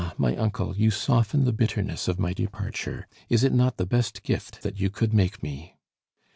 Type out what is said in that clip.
my uncle, you soften the bitterness of my departure. Is it not the best gift that you could make me?"